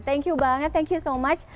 thank you banget thank you so much